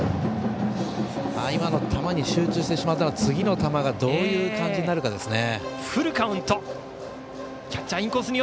今の球に集中してしまったら次の球がどういう感じになるかですね。